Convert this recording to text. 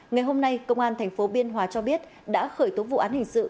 ngày hôm nay công an thành phố biên hòa cho biết đã khởi tố vụ án hình sự